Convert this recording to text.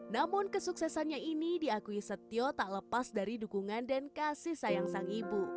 namun kesuksesannya ini diakui setio tak lepas dari dukungan dan kasih sayang sang ibu